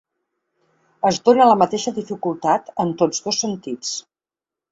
Es dóna la mateixa dificultat en tots dos sentits.